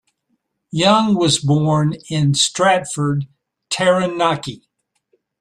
Young was born in Stratford, Taranaki.